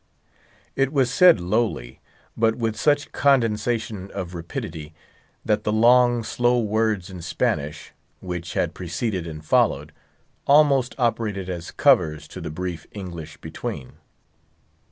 It was said lowly, but with such condensation of rapidity, that the long, slow words in Spanish, which had preceded and followed, almost operated as covers to the brief English between.